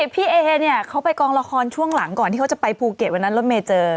พี่เอเนี่ยเขาไปกองละครช่วงหลังก่อนที่เขาจะไปภูเก็ตวันนั้นรถเมย์เจอ